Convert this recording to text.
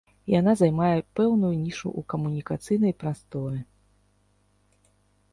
І яна займае пэўную нішу ў камунікацыйнай прасторы.